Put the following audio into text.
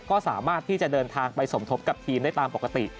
ก็สามารถที่จะเดินทางไปสมทบกับทีมได้ตามปกติ